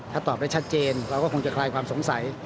ถ้าตอบได้ชัดเจนเราก็คงจะคลายความสงสัย